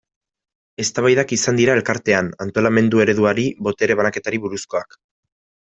Eztabaidak izan dira Elkartean, antolamendu ereduari, botere banaketari buruzkoak.